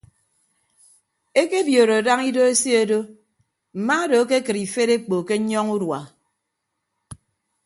Ekebiodo daña ido eseedo mma odo akekịd ifed ekpo ke nnyọñọ udua.